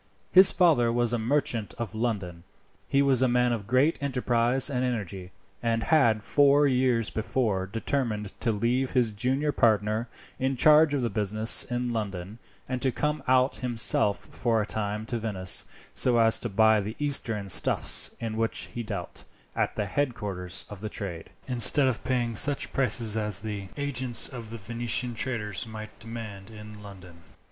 His father was a merchant of London. He was a man of great enterprise and energy, and had four years before determined to leave his junior partner in charge of the business in London, and to come out himself for a time to Venice, so as to buy the Eastern stuffs in which he dealt at the headquarters of the trade, instead of paying such prices as the agents of the Venetian traders might demand in London.